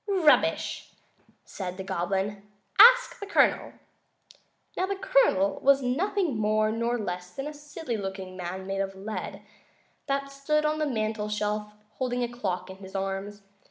"Rubbish!" said the Goblin. "Ask the Colonel." Now, the Colonel was nothing more nor less than a silly looking little man, made of lead, that stood on the mantel shelf holding a clock in his arms.